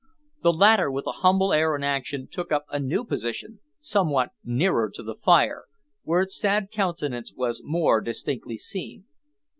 The latter, with a humble air and action, took up a new position, somewhat nearer to the fire, where its sad countenance was more distinctly seen.